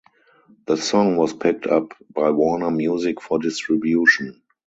The song was picked up by Warner Music for distribution.